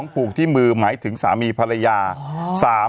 ผูกที่มือหมายถึงสามีภรรยา